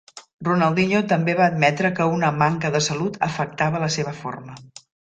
Ronaldinho també va admetre que una manca de salut afectava la seva forma.